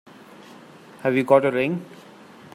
Have you got a ring?